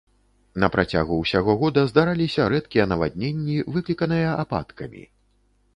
На працягу ўсяго года здараліся рэдкія навадненні, выкліканыя ападкамі.